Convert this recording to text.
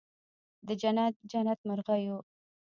د جنت، جنت مرغېو